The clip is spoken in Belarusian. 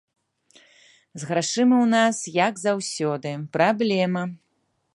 З грашыма ў нас, як заўсёды, праблема.